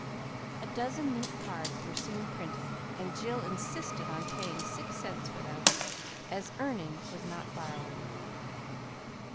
A dozen neat cards were soon printed, and Jill insisted on paying six cents for them, as earning was not borrowing.